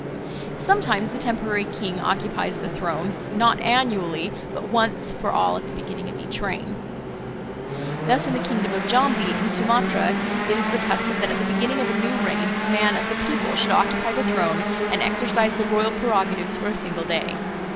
Sometimes the temporary king occupies the throne, not annually, but once for all at the beginning of each reign. Thus in the kingdom of Jambi in Sumatra it is the custom that at the beginning of a new reign a man of the people should occupy the throne and exercise the royal prerogatives for a single day.